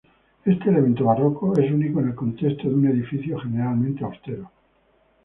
Este elemento barroco es único en el contexto de un edificio generalmente austero.